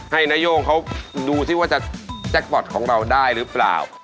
นโย่งเขาดูซิว่าจะแจ็คพอร์ตของเราได้หรือเปล่า